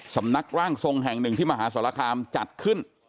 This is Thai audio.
สำนักร่างทรงแห่งหนึ่งที่มหาสรคามจัดขึ้น